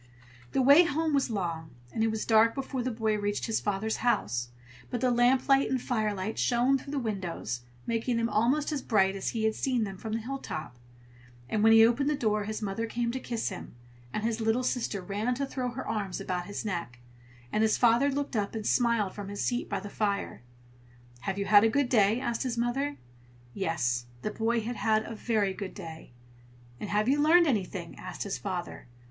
The way home was long, and it was dark before the boy reached his father's house; but the lamplight and firelight shone through the windows, making them almost as bright as he had seen them from the hilltop; and when he opened the door, his mother came to kiss him, and his little sister ran to throw her arms about his neck, and his father looked up and smiled from his seat by the fire. "Have you had a good day?" asked his mother. Yes, the boy had had a very good day. "And have you learned anything?" asked his father.